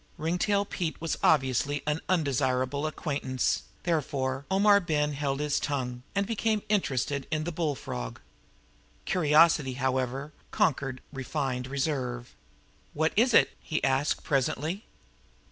Ringtail Pete was obviously an undesirable acquaintance; therefore Omar Ben held his tongue, and became interested in the bullfrog. Curiosity, however, conquered refined reserve. "What is it?" he asked presently.